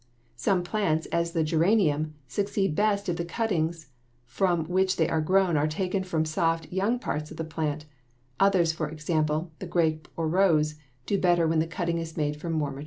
Some plants, as the geranium (Fig. 42), succeed best if the cuttings from which they are grown are taken from soft, young parts of the plant; others, for example, the grape or rose, do better when the cutting is made from more mature wood.